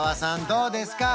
どうですか？